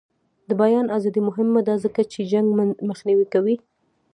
د بیان ازادي مهمه ده ځکه چې جنګ مخنیوی کوي.